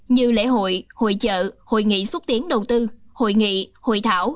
như lễ hội hội chợ hội nghị xúc tiến đầu tư hội nghị hội thảo